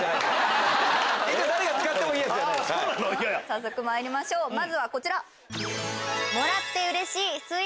早速まいりましょうまずはこちら。